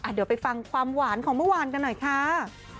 เดี๋ยวไปฟังความหวานของเมื่อวานกันหน่อยค่ะ